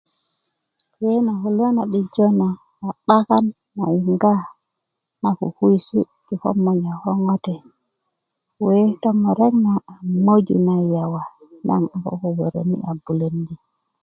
kuwe na kulya na 'bijö na a 'bakan na yinga na kukuwisi ti komonye ko ko ŋote kuwe tomure na a möju na yawa naŋ wöwöröni a bulöndi